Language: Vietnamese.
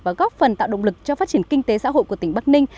và góp phần tạo động lực cho phát triển kinh tế xã hội của tỉnh bắc ninh